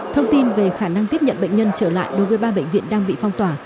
thông tin về khả năng tiếp nhận bệnh nhân trở lại đối với ba bệnh viện đang bị phong tỏa